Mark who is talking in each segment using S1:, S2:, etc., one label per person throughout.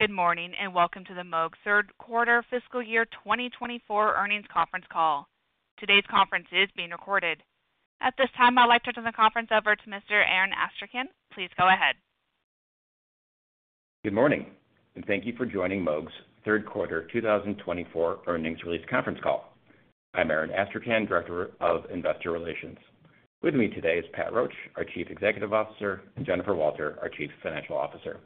S1: Good morning and welcome to the Moog Third Quarter Fiscal Year 2024 Earnings Conference Call. Today's conference is being recorded. At this time, I'd like to turn the conference over to Mr. Aaron Astrachan. Please go ahead.
S2: Good morning and thank you for joining Moog's Third Quarter 2024 Earnings Release Conference Call. I'm Aaron Astrachan, Director of Investor Relations. With me today is Pat Roche, our Chief Executive Officer, and Jennifer Walter, our Chief Financial Officer.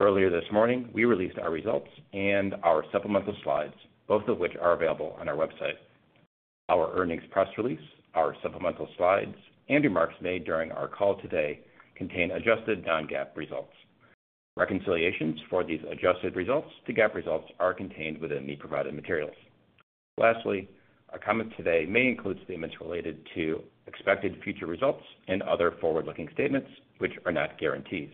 S2: Earlier this morning, we released our results and our supplemental slides, both of which are available on our website. Our earnings press release, our supplemental slides, and remarks made during our call today contain adjusted non-GAAP results. Reconciliations for these adjusted results to GAAP results are contained within the provided materials. Lastly, our comments today may include statements related to expected future results and other forward-looking statements, which are not guarantees.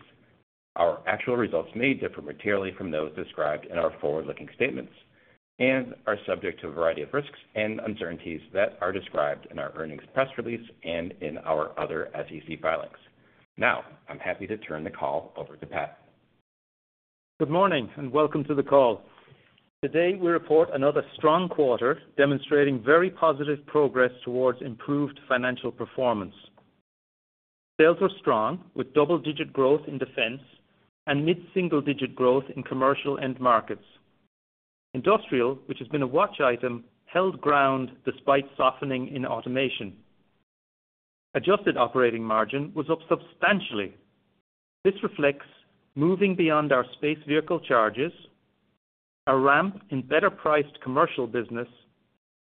S2: Our actual results may differ materially from those described in our forward-looking statements and are subject to a variety of risks and uncertainties that are described in our earnings press release and in our other SEC filings. Now, I'm happy to turn the call over to Pat.
S3: Good morning and welcome to the call. Today, we report another strong quarter demonstrating very positive progress towards improved financial performance. Sales were strong, with double-digit growth in defense and mid-single-digit growth in commercial end markets. Industrial, which has been a watch item, held ground despite softening in automation. Adjusted Operating Margin was up substantially. This reflects moving beyond our space vehicle charges, a ramp in better-priced commercial business,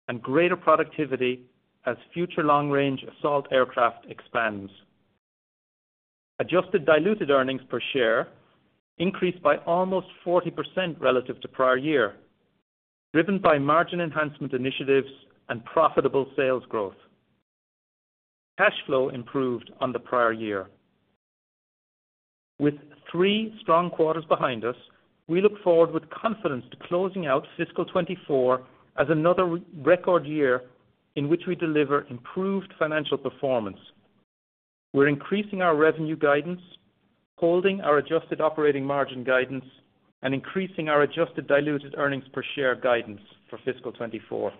S3: and greater productivity as Future Long-Range Assault Aircraft expands. Adjusted Diluted Earnings Per Share increased by almost 40% relative to prior year, driven by margin enhancement initiatives and profitable sales growth. Cash flow improved on the prior year. With three strong quarters behind us, we look forward with confidence to closing out Fiscal 2024 as another record year in which we deliver improved financial performance. We're increasing our revenue guidance, holding our adjusted operating margin guidance, and increasing our adjusted diluted earnings per share guidance for Fiscal 2024.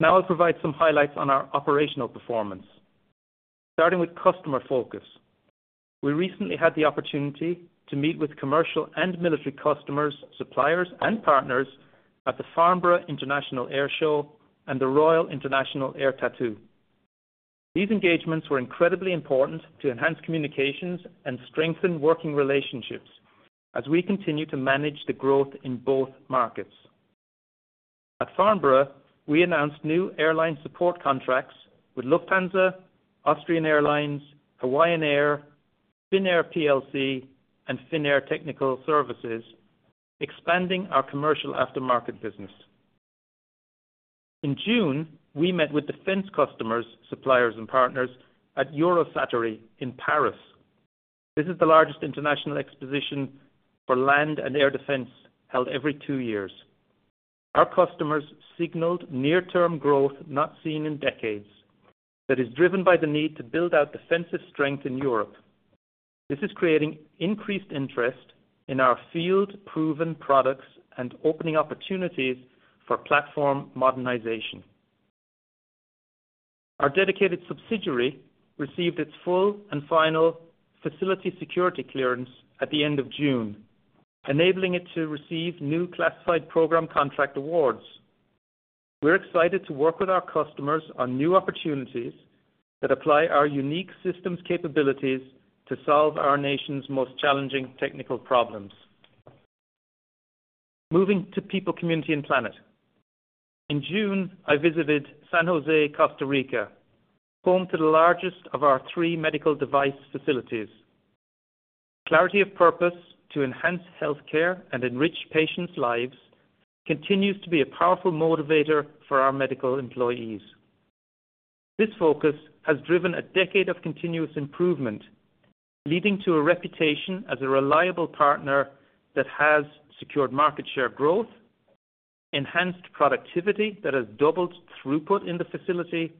S3: Now, I'll provide some highlights on our operational performance. Starting with customer focus, we recently had the opportunity to meet with commercial and military customers, suppliers, and partners at the Farnborough International Airshow and the Royal International Air Tattoo. These engagements were incredibly important to enhance communications and strengthen working relationships as we continue to manage the growth in both markets. At Farnborough, we announced new airline support contracts with Lufthansa, Austrian Airlines, Hawaiian Air, Finnair Plc, and Finnair Technical Services, expanding our commercial aftermarket business. In June, we met with defense customers, suppliers, and partners at Eurosatory in Paris. This is the largest international exposition for land and air defense held every two years. Our customers signaled near-term growth not seen in decades that is driven by the need to build out defensive strength in Europe. This is creating increased interest in our field-proven products and opening opportunities for platform modernization. Our dedicated subsidiary received its full and final facility security clearance at the end of June, enabling it to receive new classified program contract awards. We're excited to work with our customers on new opportunities that apply our unique systems capabilities to solve our nation's most challenging technical problems. Moving to people, community, and planet. In June, I visited San José, Costa Rica, home to the largest of our three medical device facilities. Clarity of purpose to enhance healthcare and enrich patients' lives continues to be a powerful motivator for our medical employees. This focus has driven a decade of continuous improvement, leading to a reputation as a reliable partner that has secured market share growth, enhanced productivity that has doubled throughput in the facility,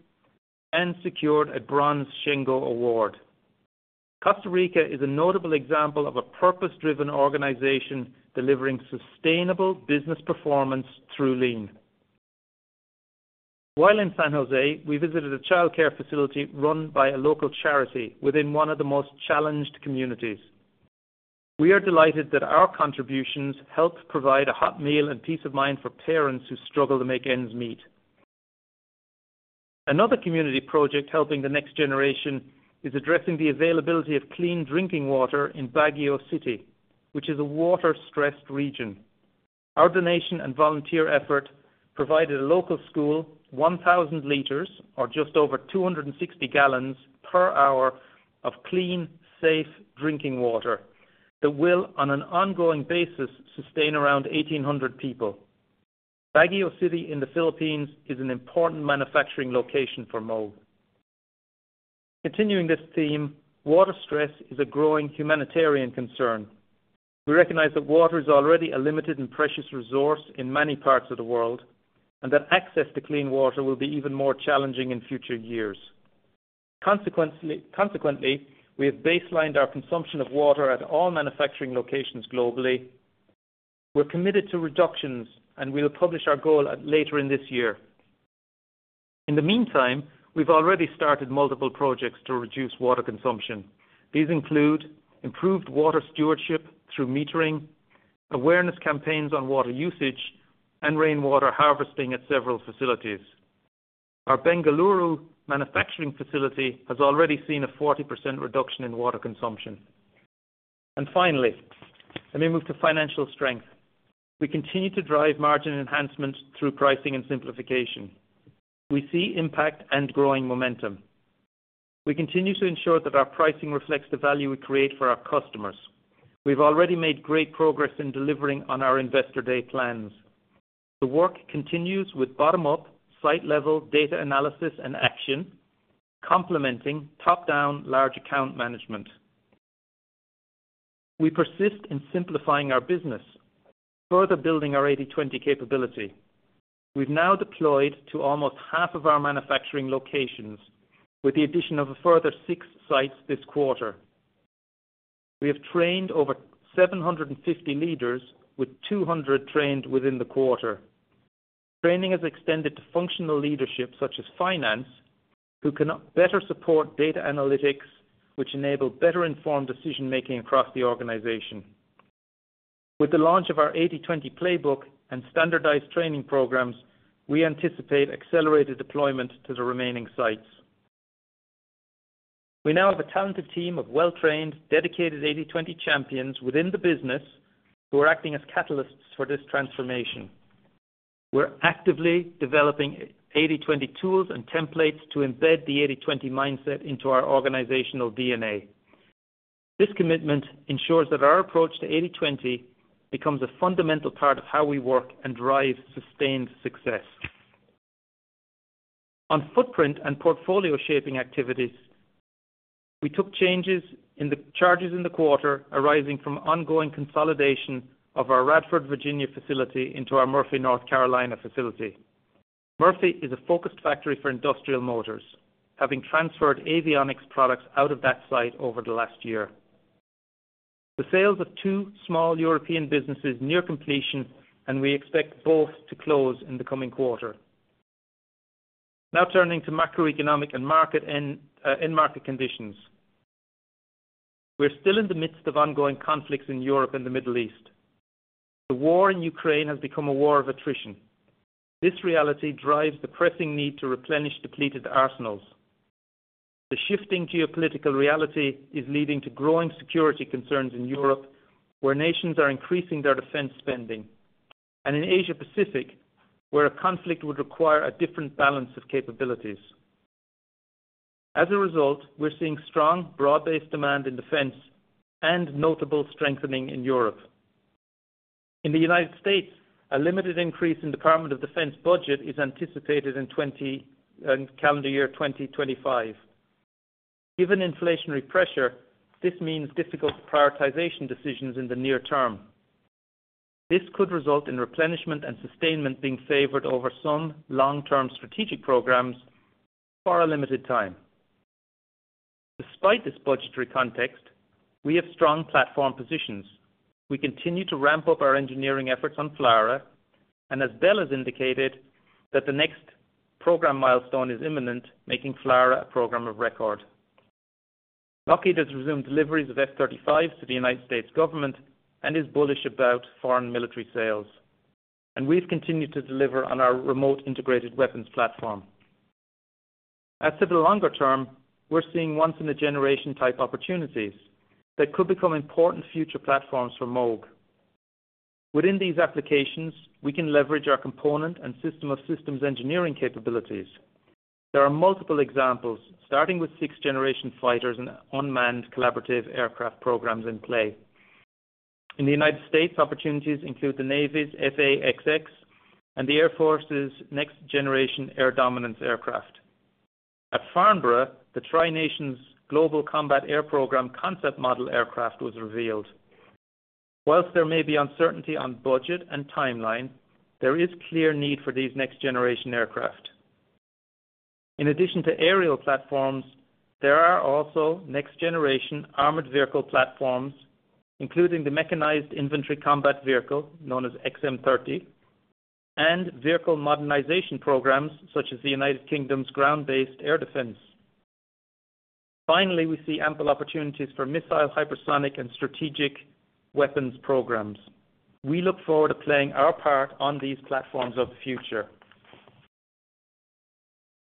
S3: and secured a Bronze Shingo Award. Costa Rica is a notable example of a purpose-driven organization delivering sustainable business performance through lean. While in San José, we visited a childcare facility run by a local charity within one of the most challenged communities. We are delighted that our contributions help provide a hot meal and peace of mind for parents who struggle to make ends meet. Another community project helping the next generation is addressing the availability of clean drinking water in Baguio City, which is a water-stressed region. Our donation and volunteer effort provided a local school 1,000 liters, or just over 260 gallons per hour, of clean, safe drinking water that will, on an ongoing basis, sustain around 1,800 people. Baguio City in the Philippines is an important manufacturing location for Moog. Continuing this theme, water stress is a growing humanitarian concern. We recognize that water is already a limited and precious resource in many parts of the world and that access to clean water will be even more challenging in future years. Consequently, we have baselined our consumption of water at all manufacturing locations globally. We're committed to reductions, and we'll publish our goal later in this year. In the meantime, we've already started multiple projects to reduce water consumption. These include improved water stewardship through metering, awareness campaigns on water usage, and rainwater harvesting at several facilities. Our Bengaluru manufacturing facility has already seen a 40% reduction in water consumption. And finally, let me move to financial strength. We continue to drive margin enhancement through pricing and simplification. We see impact and growing momentum. We continue to ensure that our pricing reflects the value we create for our customers. We've already made great progress in delivering on our Investor Day plans. The work continues with bottom-up, site-level data analysis and action, complementing top-down large account management. We persist in simplifying our business, further building our 80/20 capability. We've now deployed to almost half of our manufacturing locations with the addition of a further six sites this quarter. We have trained over 750 leaders, with 200 trained within the quarter. Training has extended to functional leadership such as finance, who can better support data analytics, which enables better-informed decision-making across the organization. With the launch of our 80/20 playbook and standardized training programs, we anticipate accelerated deployment to the remaining sites. We now have a talented team of well-trained, dedicated 80/20 champions within the business who are acting as catalysts for this transformation. We're actively developing 80/20 tools and templates to embed the 80/20 mindset into our organizational DNA. This commitment ensures that our approach to 80/20 becomes a fundamental part of how we work and drive sustained success. On footprint and portfolio-shaping activities, we took changes in the charges in the quarter arising from ongoing consolidation of our Radford, Virginia facility into our Murphy, North Carolina facility. Murphy is a focused factory for industrial motors, having transferred avionics products out of that site over the last year. The sales of two small European businesses are near completion, and we expect both to close in the coming quarter. Now turning to macroeconomic and market end-market conditions. We're still in the midst of ongoing conflicts in Europe and the Middle East. The war in Ukraine has become a war of attrition. This reality drives the pressing need to replenish depleted arsenals. The shifting geopolitical reality is leading to growing security concerns in Europe, where nations are increasing their defense spending, and in Asia-Pacific, where a conflict would require a different balance of capabilities. As a result, we're seeing strong broad-based demand in defense and notable strengthening in Europe. In the United States, a limited increase in the Department of Defense budget is anticipated in calendar year 2025. Given inflationary pressure, this means difficult prioritization decisions in the near term. This could result in replenishment and sustainment being favored over some long-term strategic programs for a limited time. Despite this budgetary context, we have strong platform positions. We continue to ramp up our engineering efforts on FLRAA, and as Bell has indicated, the next program milestone is imminent, making FLRAA a program of record. Lockheed has resumed deliveries of F-35s to the United States government and is bullish about Foreign Military Sales, and we've continued to deliver on our remote integrated weapons platform. As to the longer term, we're seeing once-in-a-generation type opportunities that could become important future platforms for Moog. Within these applications, we can leverage our component and system-of-systems engineering capabilities. There are multiple examples, starting with sixth-generation fighters and unmanned collaborative aircraft programs in play. In the United States, opportunities include the Navy's F/A-XX and the Air Force's Next Generation Air Dominance aircraft. At Farnborough, the tri-nation's Global Combat Air Program concept model aircraft was revealed. While there may be uncertainty on budget and timeline, there is clear need for these next-generation aircraft. In addition to aerial platforms, there are also next-generation armored vehicle platforms, including the mechanized infantry combat vehicle known as XM30 and vehicle modernization programs such as the United Kingdom's Ground-Based Air Defense. Finally, we see ample opportunities for missile, hypersonic, and strategic weapons programs. We look forward to playing our part on these platforms of the future.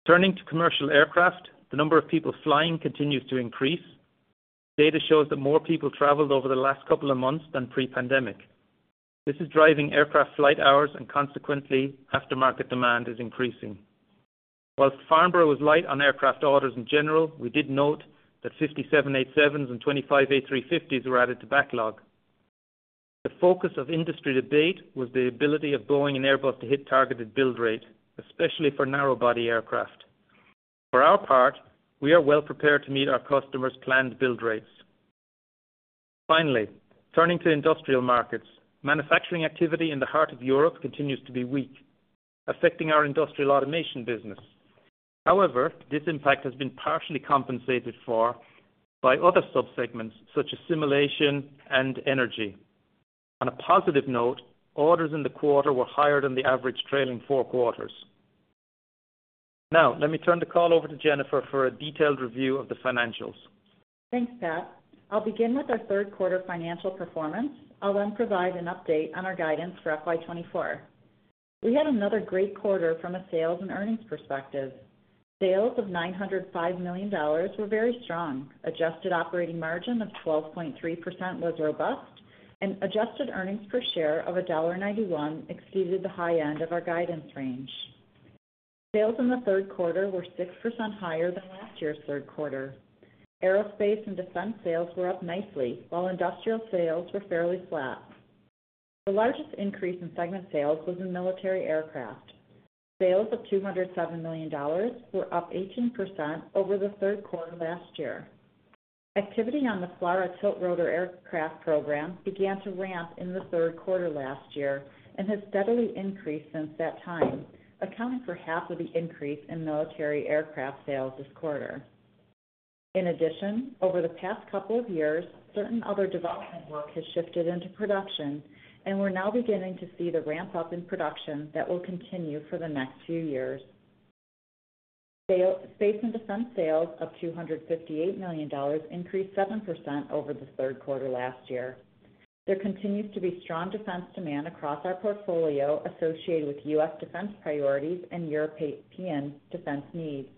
S3: Turning to commercial aircraft, the number of people flying continues to increase. Data shows that more people traveled over the last couple of months than pre-pandemic. This is driving aircraft flight hours, and consequently, aftermarket demand is increasing. While Farnborough was light on aircraft orders in general, we did note that 57 787s and 25 A350s were added to backlog. The focus of industry debate was the ability of Boeing and Airbus to hit targeted build rate, especially for narrow-body aircraft. For our part, we are well prepared to meet our customers' planned build rates. Finally, turning to industrial markets, manufacturing activity in the heart of Europe continues to be weak, affecting our industrial automation business. However, this impact has been partially compensated for by other subsegments such as simulation and energy. On a positive note, orders in the quarter were higher than the average trailing four quarters. Now, let me turn the call over to Jennifer for a detailed review of the financials.
S4: Thanks, Pat. I'll begin with our third quarter financial performance. I'll then provide an update on our guidance for FY24. We had another great quarter from a sales and earnings perspective. Sales of $905 million were very strong. Adjusted operating margin of 12.3% was robust, and adjusted earnings per share of $1.91 exceeded the high end of our guidance range. Sales in the third quarter were 6% higher than last year's third quarter. Aerospace and defense sales were up nicely, while industrial sales were fairly flat. The largest increase in segment sales was in military aircraft. Sales of $207 million were up 18% over the third quarter last year. Activity on the FLRAA tiltrotor aircraft program began to ramp in the third quarter last year and has steadily increased since that time, accounting for half of the increase in military aircraft sales this quarter. In addition, over the past couple of years, certain other development work has shifted into production, and we're now beginning to see the ramp-up in production that will continue for the next few years. Space and defense sales of $258 million increased 7% over the third quarter last year. There continues to be strong defense demand across our portfolio associated with U.S. defense priorities and European defense needs.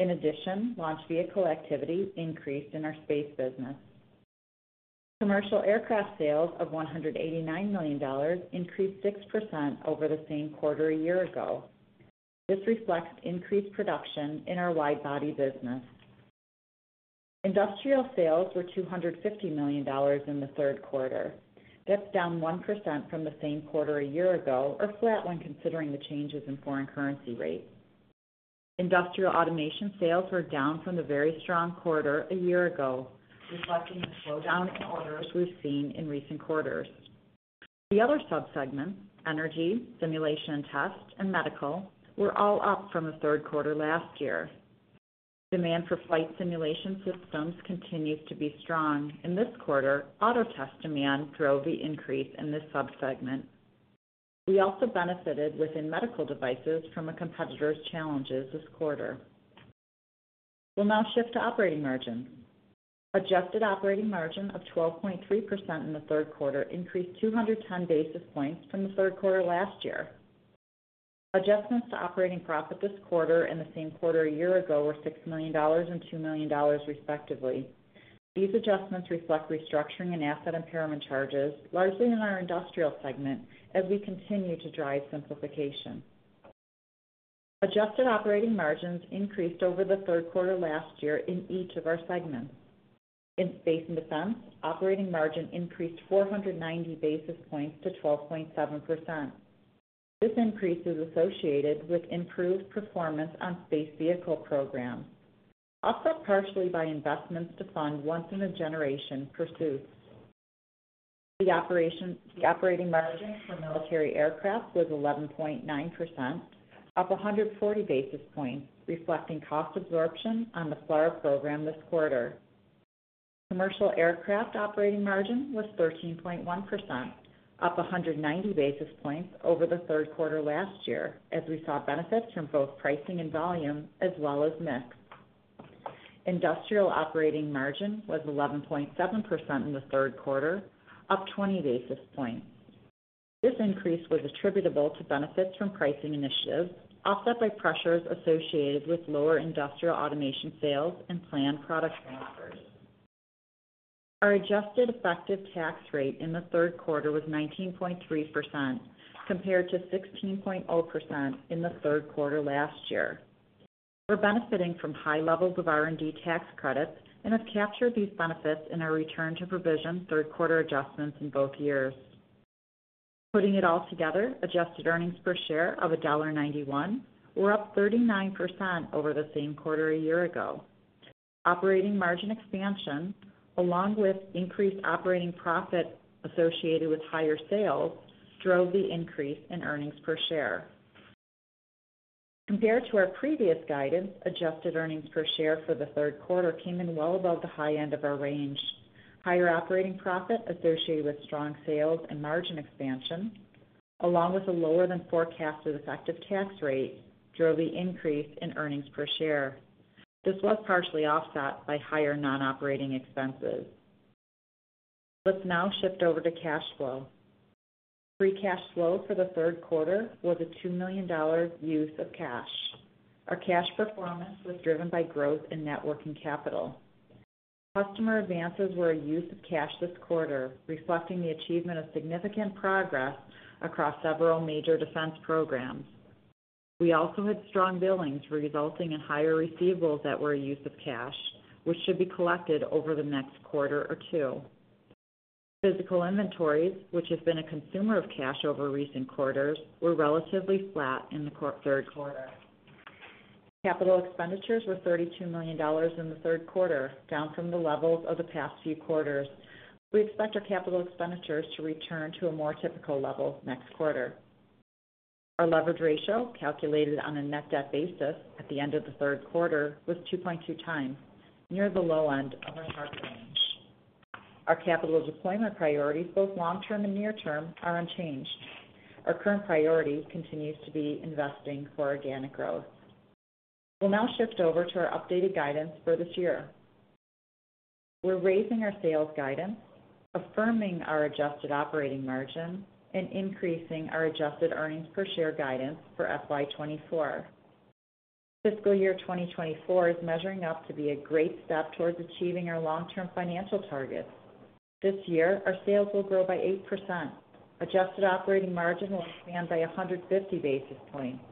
S4: In addition, launch vehicle activity increased in our space business. Commercial aircraft sales of $189 million increased 6% over the same quarter a year ago. This reflects increased production in our wide-body business. Industrial sales were $250 million in the third quarter, that's down 1% from the same quarter a year ago, or flat when considering the changes in foreign currency rate. Industrial automation sales were down from the very strong quarter a year ago, reflecting the slowdown in orders we've seen in recent quarters. The other subsegments, energy, simulation and test, and medical, were all up from the third quarter last year. Demand for flight simulation systems continues to be strong. In this quarter, auto test demand drove the increase in this subsegment. We also benefited within medical devices from a competitor's challenges this quarter. We'll now shift to operating margin. Adjusted operating margin of 12.3% in the third quarter increased 210 basis points from the third quarter last year. Adjustments to operating profit this quarter and the same quarter a year ago were $6 million and $2 million, respectively. These adjustments reflect restructuring and asset impairment charges, largely in our industrial segment, as we continue to drive simplification. Adjusted operating margins increased over the third quarter last year in each of our segments. In space and defense, operating margin increased 490 basis points to 12.7%. This increase is associated with improved performance on space vehicle programs, also partially by investments to fund once-in-a-generation pursuits. The operating margin for military aircraft was 11.9%, up 140 basis points, reflecting cost absorption on the FLRAA program this quarter. Commercial aircraft operating margin was 13.1%, up 190 basis points over the third quarter last year, as we saw benefits from both pricing and volume as well as mix. Industrial operating margin was 11.7% in the third quarter, up 20 basis points. This increase was attributable to benefits from pricing initiatives, offset by pressures associated with lower industrial automation sales and planned product transfers. Our adjusted effective tax rate in the third quarter was 19.3%, compared to 16.0% in the third quarter last year. We're benefiting from high levels of R&D tax credits and have captured these benefits in our return to provision third quarter adjustments in both years. Putting it all together, adjusted earnings per share of $1.91 were up 39% over the same quarter a year ago. Operating margin expansion, along with increased operating profit associated with higher sales, drove the increase in earnings per share. Compared to our previous guidance, adjusted earnings per share for the third quarter came in well above the high end of our range. Higher operating profit associated with strong sales and margin expansion, along with a lower-than-forecasted effective tax rate, drove the increase in earnings per share. This was partially offset by higher non-operating expenses. Let's now shift over to cash flow. cash flow for the third quarter was a $2 million use of cash. Our cash performance was driven by growth in net working capital. Customer advances were a use of cash this quarter, reflecting the achievement of significant progress across several major defense programs. We also had strong billings resulting in higher receivables that were a use of cash, which should be collected over the next quarter or two. Physical inventories, which have been a consumer of cash over recent quarters, were relatively flat in the third quarter. Capital expenditures were $32 million in the third quarter, down from the levels of the past few quarters. We expect our capital expenditures to return to a more typical level next quarter. Our leverage ratio, calculated on a net debt basis at the end of the third quarter, was 2.2 times, near the low end of our target range. Our capital deployment priorities, both long-term and near-term, are unchanged. Our current priority continues to be investing for organic growth. We'll now shift over to our updated guidance for this year. We're raising our sales guidance, affirming our adjusted operating margin, and increasing our adjusted earnings per share guidance for FY24. Fiscal year 2024 is measuring up to be a great step towards achieving our long-term financial targets. This year, our sales will grow by 8%. Adjusted operating margin will expand by 150 basis points,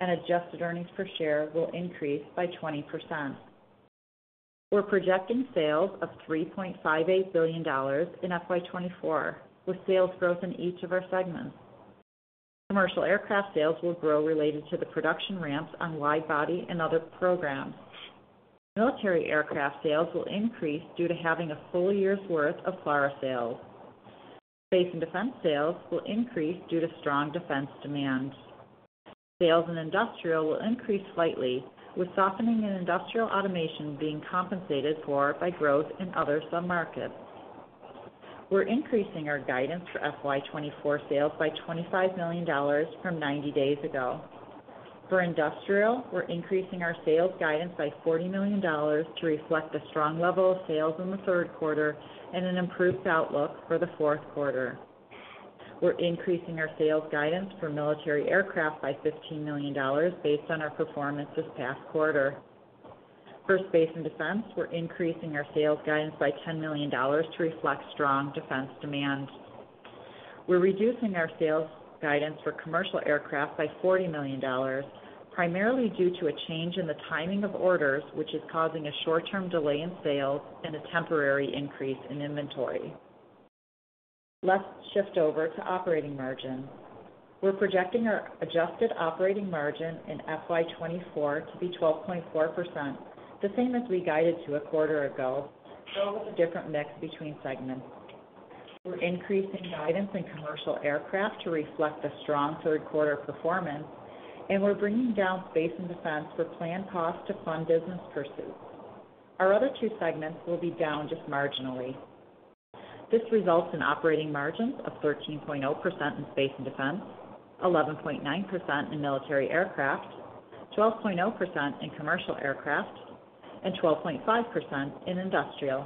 S4: and adjusted earnings per share will increase by 20%. We're projecting sales of $3.58 billion in FY24, with sales growth in each of our segments. Commercial aircraft sales will grow related to the production ramps on wide-body and other programs. Military aircraft sales will increase due to having a full year's worth of FLRAA sales. Space and defense sales will increase due to strong defense demand. Sales in industrial will increase slightly, with softening in industrial automation being compensated for by growth in other sub-markets. We're increasing our guidance for FY24 sales by $25 million from 90 days ago. For industrial, we're increasing our sales guidance by $40 million to reflect the strong level of sales in the third quarter and an improved outlook for the fourth quarter. We're increasing our sales guidance for military aircraft by $15 million based on our performance this past quarter. For space and defense, we're increasing our sales guidance by $10 million to reflect strong defense demand. We're reducing our sales guidance for commercial aircraft by $40 million, primarily due to a change in the timing of orders, which is causing a short-term delay in sales and a temporary increase in inventory. Let's shift over to operating margin. We're projecting our adjusted operating margin in FY24 to be 12.4%, the same as we guided to a quarter ago, though with a different mix between segments. We're increasing guidance in commercial aircraft to reflect the strong third-quarter performance, and we're bringing down space and defense for planned costs to fund business pursuits. Our other two segments will be down just marginally. This results in operating margins of 13.0% in space and defense, 11.9% in military aircraft, 12.0% in commercial aircraft, and 12.5% in industrial.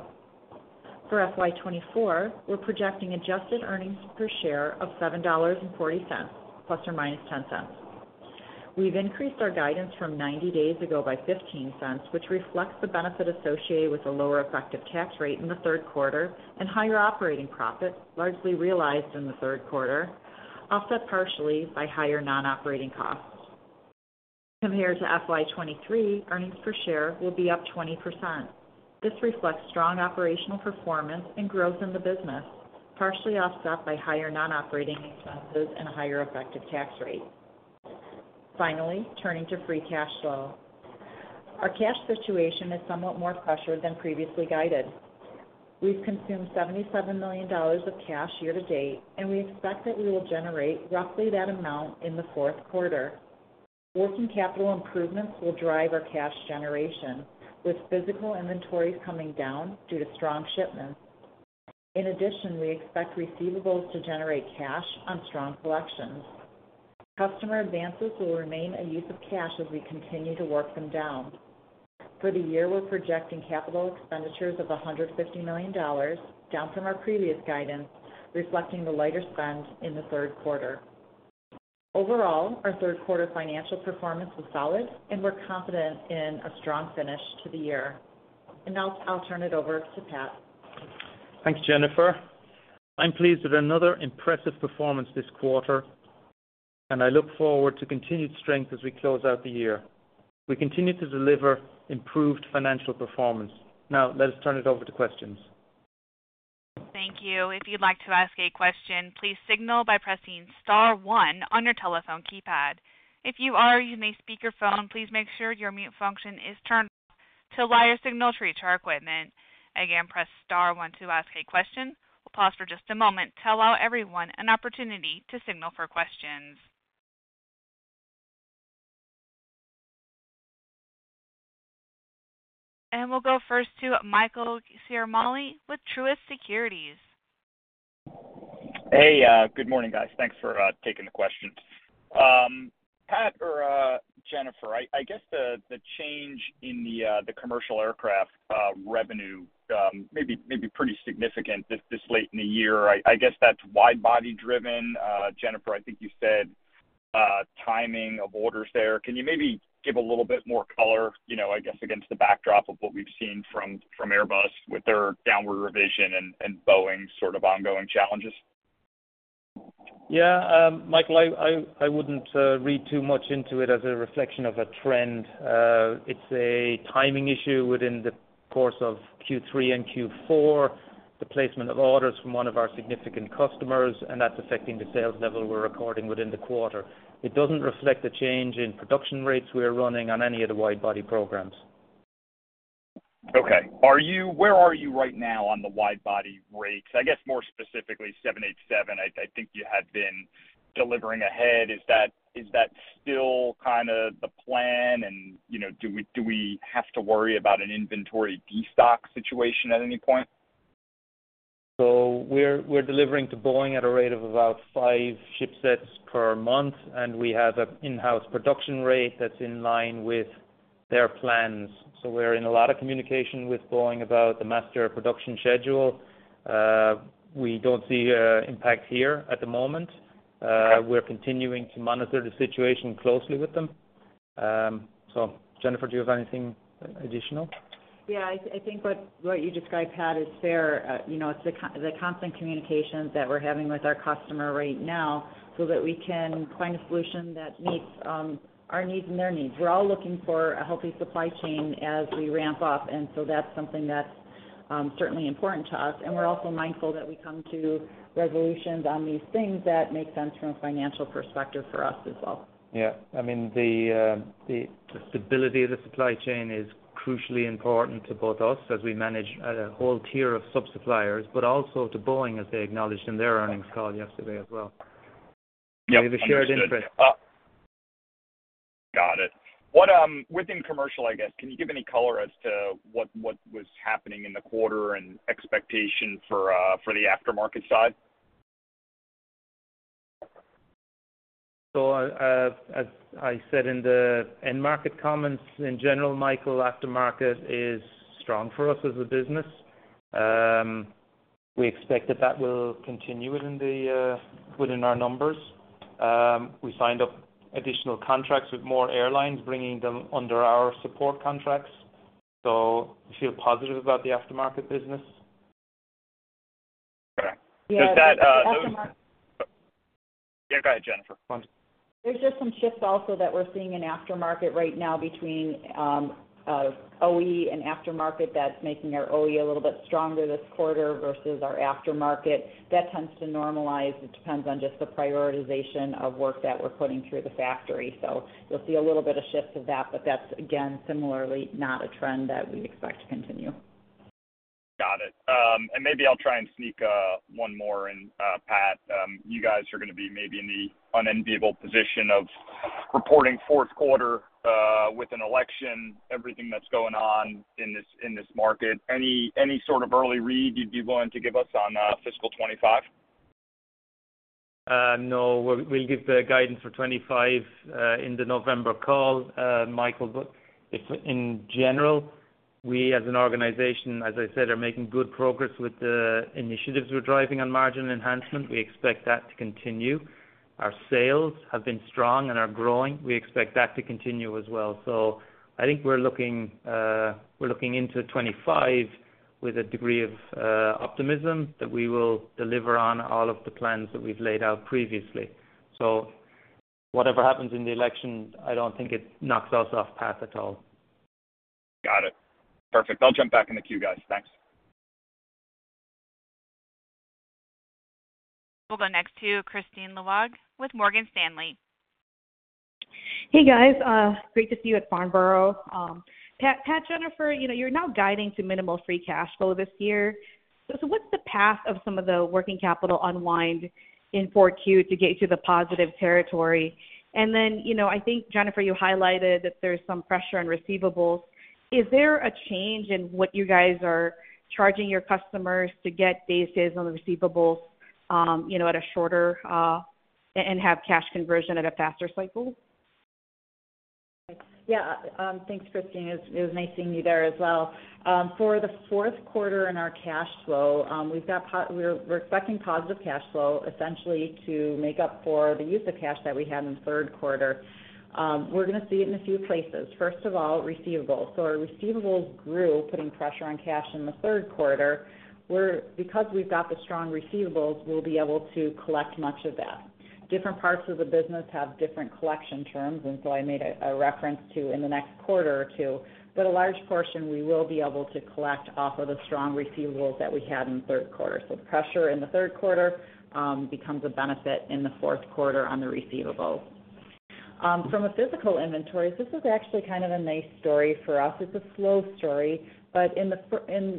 S4: For FY24, we're projecting adjusted earnings per share of $7.40 ± $0.10. We've increased our guidance from 90 days ago by $0.15, which reflects the benefit associated with a lower effective tax rate in the third quarter and higher operating profit, largely realized in the third quarter, offset partially by higher non-operating costs. Compared to FY23, earnings per share will be up 20%. This reflects strong operational performance and growth in the business, partially offset by higher non-operating expenses and a higher effective tax rate. Finally, turning to free cash flow. Our cash situation is somewhat more pressured than previously guided. We've consumed $77 million of cash year to date, and we expect that we will generate roughly that amount in the fourth quarter. Working capital improvements will drive our cash generation, with physical inventories coming down due to strong shipments. In addition, we expect receivables to generate cash on strong collections. Customer advances will remain a use of cash as we continue to work them down. For the year, we're projecting capital expenditures of $150 million, down from our previous guidance, reflecting the lighter spend in the third quarter. Overall, our third-quarter financial performance was solid, and we're confident in a strong finish to the year. Now I'll turn it over to Pat.
S3: Thanks, Jennifer. I'm pleased with another impressive performance this quarter, and I look forward to continued strength as we close out the year. We continue to deliver improved financial performance. Now, let us turn it over to questions.
S1: Thank you. If you'd like to ask a question, please signal by pressing Star 1 on your telephone keypad. If you are using a speakerphone, please make sure your mute function is turned off to allow your signal to reach our equipment. Again, press Star 1 to ask a question. We'll pause for just a moment, to let everyone have an opportunity to signal for questions. And we'll go first to Michael Ciarmoli with Truist Securities.
S5: Hey, good morning, guys. Thanks for taking the questions. Pat or Jennifer, I guess the change in the commercial aircraft revenue may be pretty significant this late in the year. I guess that's wide-body driven. Jennifer, I think you said timing of orders there. Can you maybe give a little bit more color, I guess, against the backdrop of what we've seen from Airbus with their downward revision and Boeing's sort of ongoing challenges?
S3: Yeah, Michael, I wouldn't read too much into it as a reflection of a trend. It's a timing issue within the course of Q3 and Q4, the placement of orders from one of our significant customers, and that's affecting the sales level we're recording within the quarter. It doesn't reflect the change in production rates we're running on any of the wide-body programs.
S5: Okay. Where are you right now on the wide-body rates? I guess more specifically, 787, I think you had been delivering ahead. Is that still kind of the plan? And do we have to worry about an inventory destock situation at any point?
S3: So we're delivering to Boeing at a rate of about 5 ship sets per month, and we have an in-house production rate that's in line with their plans. So we're in a lot of communication with Boeing about the master production schedule. We don't see an impact here at the moment. We're continuing to monitor the situation closely with them. So, Jennifer, do you have anything additional?
S4: Yeah, I think what you described, Pat, is fair. It's the constant communications that we're having with our customer right now so that we can find a solution that meets our needs and their needs. We're all looking for a healthy supply chain as we ramp up, and so that's something that's certainly important to us. And we're also mindful that we come to resolutions on these things that make sense from a financial perspective for us as well.
S3: Yeah. I mean, the stability of the supply chain is crucially important to both us as we manage a whole tier of sub-suppliers, but also to Boeing, as they acknowledged in their earnings call yesterday as well. We have a shared interest.
S5: Got it. Within commercial, I guess, can you give any color as to what was happening in the quarter and expectation for the aftermarket side?
S3: As I said in the end market comments in general, Michael, aftermarket is strong for us as a business. We expect that that will continue within our numbers. We signed up additional contracts with more airlines, bringing them under our support contracts. So we feel positive about the aftermarket business.
S5: Okay. Yeah, go ahead, Jennifer.
S4: There's just some shifts also that we're seeing in aftermarket right now between OE and aftermarket that's making our OE a little bit stronger this quarter versus our aftermarket. That tends to normalize. It depends on just the prioritization of work that we're putting through the factory. So you'll see a little bit of shift of that, but that's, again, similarly not a trend that we expect to continue.
S5: Got it. And maybe I'll try and sneak one more in, Pat. You guys are going to be maybe in the unenviable position of reporting fourth quarter with an election, everything that's going on in this market. Any sort of early read you'd be willing to give us on fiscal 2025?
S3: No, we'll give the guidance for 2025 in the November call, Michael. But in general, we as an organization, as I said, are making good progress with the initiatives we're driving on margin enhancement. We expect that to continue. Our sales have been strong and are growing. We expect that to continue as well. So I think we're looking into 2025 with a degree of optimism that we will deliver on all of the plans that we've laid out previously. So whatever happens in the election, I don't think it knocks us off path at all.
S5: Got it. Perfect. I'll jump back in the queue, guys. Thanks.
S1: We'll go next to Kristine Liwag with Morgan Stanley.
S6: Hey, guys. Great to see you at Farnborough. Pat, Jennifer, you're now guiding to minimal free cash flow this year. So what's the path of some of the working capital unwind in fourth year to get you to the positive territory? And then I think, Jennifer, you highlighted that there's some pressure on receivables. Is there a change in what you guys are charging your customers to get day sales on the receivables at a shorter and have cash conversion at a faster cycle?
S4: Yeah. Thanks, Kristine. It was nice seeing you there as well. For the fourth quarter in our cash flow, we're expecting positive cash flow essentially to make up for the use of cash that we had in the third quarter. We're going to see it in a few places. First of all, receivables. So our receivables grew, putting pressure on cash in the third quarter. Because we've got the strong receivables, we'll be able to collect much of that. Different parts of the business have different collection terms, and so I made a reference to in the next quarter or two. But a large portion we will be able to collect off of the strong receivables that we had in the third quarter. So pressure in the third quarter becomes a benefit in the fourth quarter on the receivables. From a physical inventory, this is actually kind of a nice story for us. It's a slow story. But in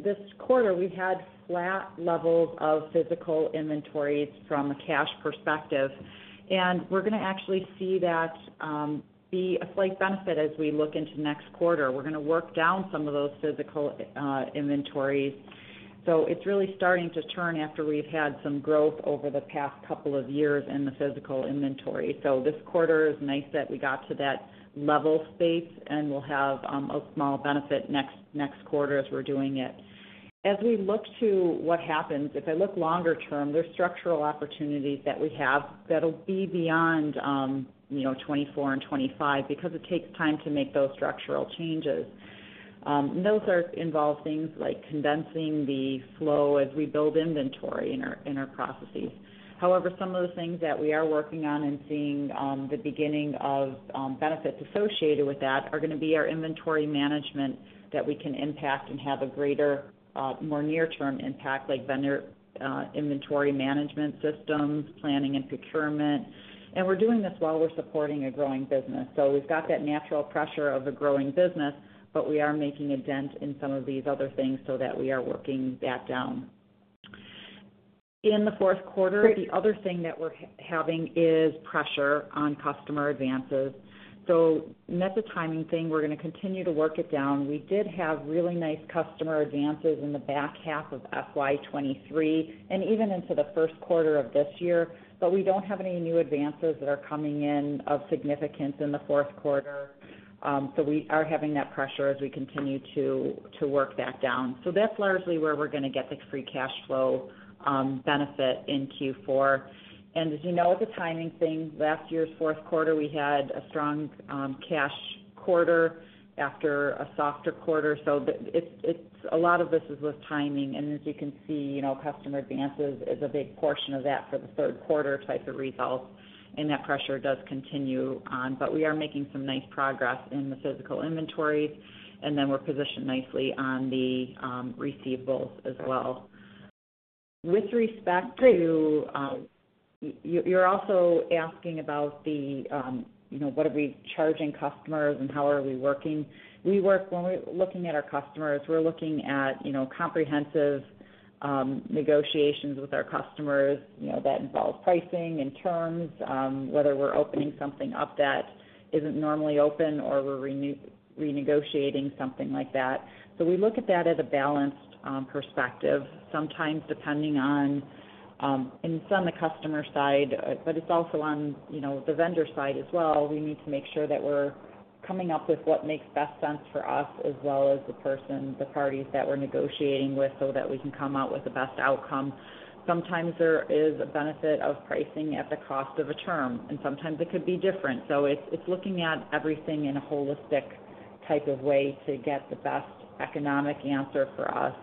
S4: this quarter, we had flat levels of physical inventories from a cash perspective. We're going to actually see that be a slight benefit as we look into next quarter. We're going to work down some of those physical inventories. It's really starting to turn after we've had some growth over the past couple of years in the physical inventory. This quarter is nice that we got to that level space, and we'll have a small benefit next quarter as we're doing it. As we look to what happens, if I look longer term, there's structural opportunities that we have that'll be beyond 2024 and 2025 because it takes time to make those structural changes. Those involve things like condensing the flow as we build inventory in our processes. However, some of the things that we are working on and seeing the beginning of benefits associated with that are going to be our inventory management that we can impact and have a greater, more near-term impact, like vendor inventory management systems, planning and procurement. We're doing this while we're supporting a growing business. We've got that natural pressure of a growing business, but we are making a dent in some of these other things so that we are working that down. In the fourth quarter, the other thing that we're having is pressure on customer advances. That's a timing thing. We're going to continue to work it down. We did have really nice customer advances in the back half of FY23 and even into the first quarter of this year, but we don't have any new advances that are coming in of significance in the fourth quarter. So we are having that pressure as we continue to work that down. So that's largely where we're going to get the free cash flow benefit in Q4. And as you know, it's a timing thing. Last year's fourth quarter, we had a strong cash quarter after a softer quarter. So a lot of this is with timing. And as you can see, customer advances is a big portion of that for the third quarter type of results. And that pressure does continue on. But we are making some nice progress in the physical inventory, and then we're positioned nicely on the receivables as well. With respect to, you're also asking about the, what are we charging customers and how are we working? When we're looking at our customers, we're looking at comprehensive negotiations with our customers that involve pricing and terms, whether we're opening something up that isn't normally open or we're renegotiating something like that. So we look at that as a balanced perspective, sometimes depending on, and some of the customer side, but it's also on the vendor side as well. We need to make sure that we're coming up with what makes best sense for us as well as the person, the parties that we're negotiating with so that we can come out with the best outcome. Sometimes there is a benefit of pricing at the cost of a term, and sometimes it could be different. It's looking at everything in a holistic type of way to get the best economic answer for us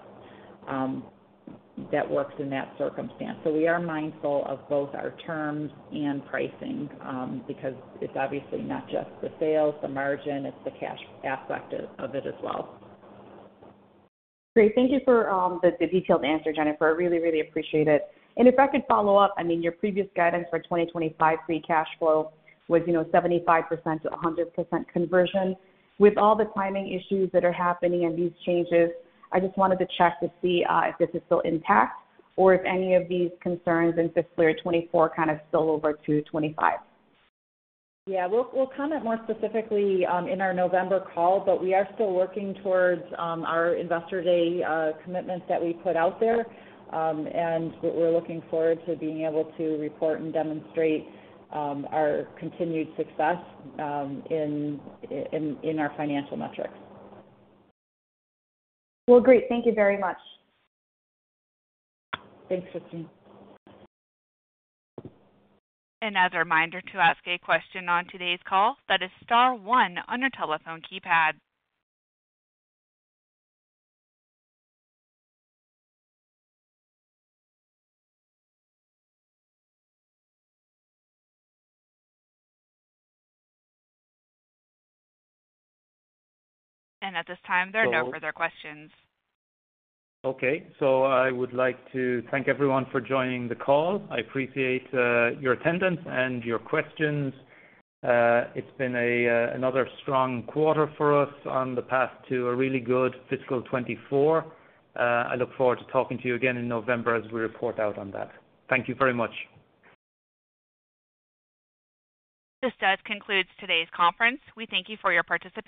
S4: that works in that circumstance. We are mindful of both our terms and pricing because it's obviously not just the sales, the margin, it's the cash aspect of it as well.
S6: Great. Thank you for the detailed answer, Jennifer. I really, really appreciate it. And if I could follow up, I mean, your previous guidance for 2025 free cash flow was 75%-100% conversion. With all the timing issues that are happening and these changes, I just wanted to check to see if this is still intact or if any of these concerns in fiscal year 2024 kind of spill over to 2025?
S4: Yeah. We'll comment more specifically in our November call, but we are still working towards our Investor Day commitments that we put out there. We're looking forward to being able to report and demonstrate our continued success in our financial metrics.
S6: Well, great. Thank you very much.
S4: Thanks, Christine.
S1: As a reminder to ask a question on today's call, that is star one on your telephone keypad. At this time, there are no further questions.
S3: Okay. I would like to thank everyone for joining the call. I appreciate your attendance and your questions. It's been another strong quarter for us on the path to a really good fiscal 2024. I look forward to talking to you again in November as we report out on that. Thank you very much.
S1: This does conclude today's conference. We thank you for your participation.